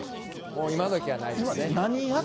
もう今どきはないですね。